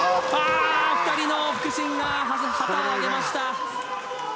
２人の副審が旗を上げました。